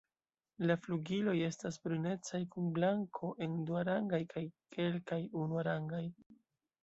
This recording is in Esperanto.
La flugiloj estas brunecaj kun blanko en duarangaj kaj kelkaj unuarangaj.